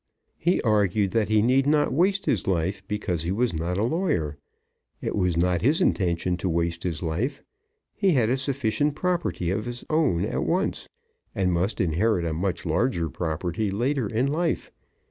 He argued that he need not waste his life because he was not a lawyer. It was not his intention to waste his life. He had a sufficient property of his own at once, and must inherit a much larger property later in life.